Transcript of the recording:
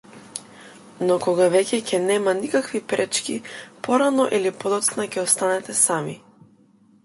Но кога веќе ќе нема никакви пречки, порано или подоцна ќе останете сами!